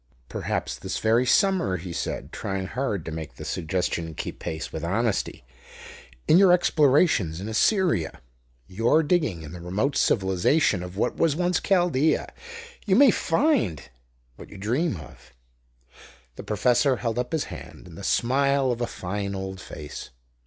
"Perhaps this very summer," he said, trying hard to make the suggestion keep pace with honesty; "in your explorations in Assyria your digging in the remote civilization of what was once Chaldea, you may find what you dream of " The professor held up his hand, and the smile of a fine old face.